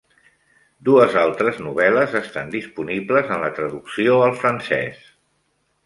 Dues altres novel·les estan disponibles en la traducció al francès.